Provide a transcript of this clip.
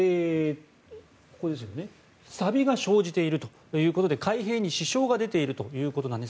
さびが生じているということで開閉に支障が出ているということなんです。